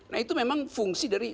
nah itu memang fungsi dari